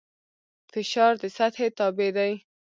فشار د سطحې تابع دی.